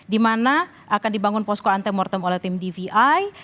di mana akan dibangun posko antemortem oleh tim dvi